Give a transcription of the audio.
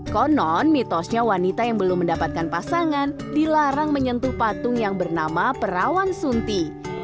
konon mitosnya wanita yang belum mendapatkan pasangan dilarang menyentuh patung yang bernama perawan sunti